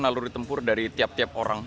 naluri tempur dari tiap tiap orang